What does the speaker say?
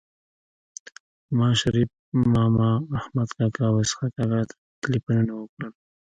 ما شريف ماما احمد کاکا او اسحق کاکا ته ټيليفونونه وکړل